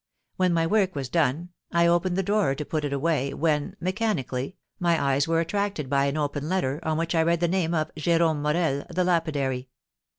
When my work was done I opened the drawer to put it away, when, mechanically, my eyes were attracted by an open letter, on which I read the name of Jérome Morel, the lapidary.